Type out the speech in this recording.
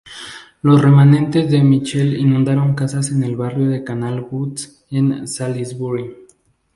Los remanentes de Michael inundaron casas en el barrio de Canal Woods en Salisbury.